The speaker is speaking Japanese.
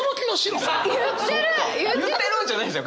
「言ってる！」じゃないんですよ！